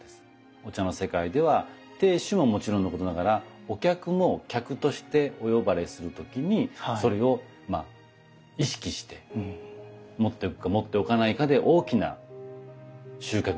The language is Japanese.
お茶の世界では亭主ももちろんのことながらお客も客としてお呼ばれする時にそれを意識して持っておくか持っておかないかで大きな収穫が違うかもしれませんね。